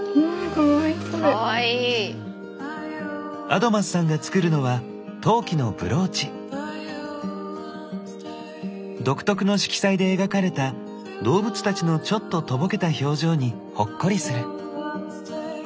アドマスさんが作るのは独特の色彩で描かれた動物たちのちょっととぼけた表情にほっこりする。